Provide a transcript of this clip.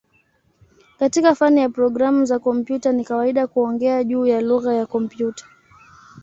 Katika fani ya programu za kompyuta ni kawaida kuongea juu ya "lugha ya kompyuta".